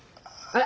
ああ。